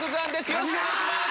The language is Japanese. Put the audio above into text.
よろしくお願いします。